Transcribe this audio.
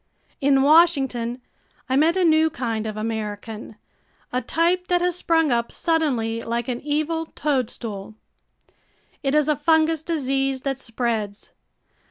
In Washington I met a new kind of American, a type that has sprung up suddenly like an evil toadstool. It is a fungous disease that spreads.